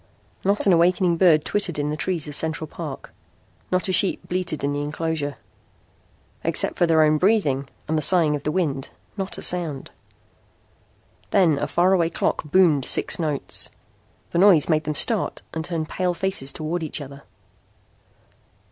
Not an awakening bird twittered in the trees of Central Park. Not a sheep bleated in the inclosure. Except for their own breathing and the sighing of the wind, not a sound! Then a faraway clock boomed six notes. The noise made them start and turn pale faces toward each other.